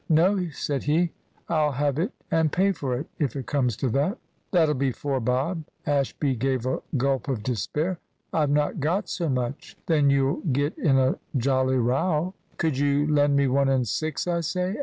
"No," said he, "I'll have it and pay for it, if it comes to that." "That'll be four bob." Ashby gave a gulp of despair. "I've not got so much." "Then you'll get in a jolly row." "Could you lend me one and six, I say?"